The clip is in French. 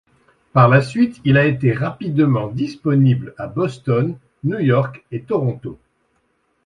Par la suite, il a été rapidement disponible à Boston, New York et Toronto.